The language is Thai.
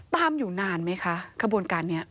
ตามอยู่นานไหมคะขบวนการนี้